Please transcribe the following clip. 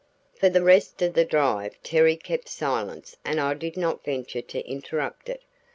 For the rest of the drive Terry kept silence and I did not venture to interrupt it.